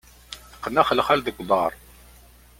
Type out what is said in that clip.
Teqqen axelxal deg uḍar.